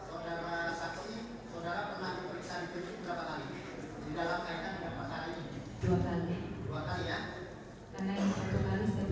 di dalam kaitan dengan pertaraan saudara andika dan kawan kawan ini